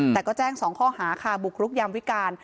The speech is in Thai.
แต่ก็แจ้ง๒ข้อหาค่ะบุกรุกยามวิการ